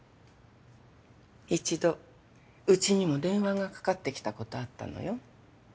一度うちにも電話がかかってきたことあったのよ。